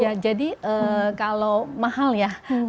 ya jadi kalau mahal ya obat ini